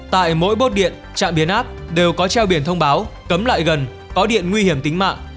tại mỗi bốt điện trạm biến áp đều có treo biển thông báo cấm lại gần có điện nguy hiểm tính mạng